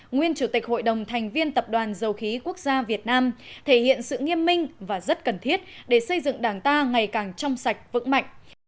nguyên chủ tịch hội đồng thành viên tập đoàn dầu khí quốc gia việt nam thể hiện sự nghiêm minh và rất cần thiết để xây dựng đảng ta ngày càng trong sạch vững mạnh